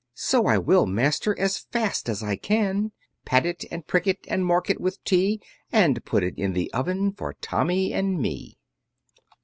So I will, master, as fast as I can: Pat it, and prick it, and mark it with T, and Put in the oven for Tommy and me.